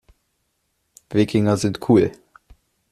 Wikinger sind cool.